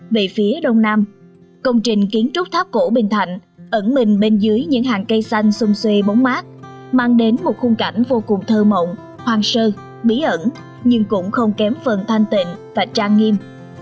về phía đông nam công trình kiến trúc tháp cổ bình thạnh ẩn mình bên dưới những hàng cây xanh xung xuê bóng mát mang đến một khung cảnh vô cùng thơ mộng hoang sơ bí ẩn nhưng cũng không kém phần thanh tịnh và trang nghiêm